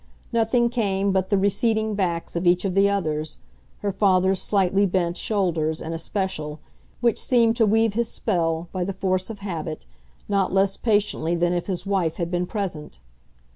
Nothing came but the receding backs of each of the others her father's slightly bent shoulders, in especial, which seemed to weave his spell, by the force of habit, not less patiently than if his wife had been present.